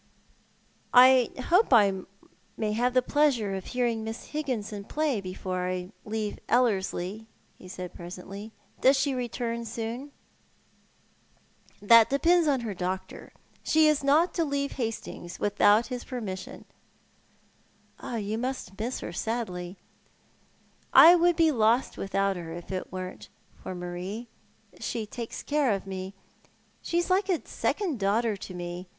" I hope I may have the pleasure of hearing Miss Higginson play before I leave Ellerslie," he said, presently. " Does she return soon ?"" That depends upon her doctor. She is not to leave Hastings without his permission." " You must miss her sadly." " I should bo lost without her if it wasn't for Marie. She takes care of me. She is like a second daughter to me.